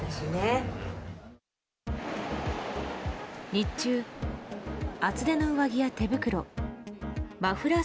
日中、厚手の上着や手袋マフラー